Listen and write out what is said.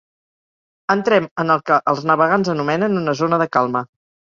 Entrem en el que els navegants anomenen una zona de calma.